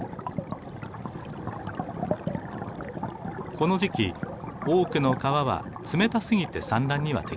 この時期多くの川は冷たすぎて産卵には適しません。